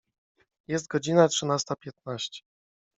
Jest godzina trzynasta piętnaście.